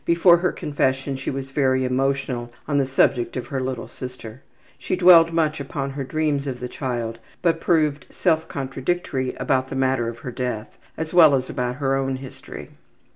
Before her confession she was very emotional on the subject of her little sister. She dwelled much upon her dreams of the child, but proved self contradictory about the matter of her death, as well as about her own history.